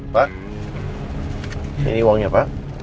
pak ini uangnya pak